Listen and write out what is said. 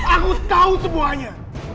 aku tahu semuanya